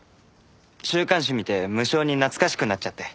週刊誌見て無性に懐かしくなっちゃって。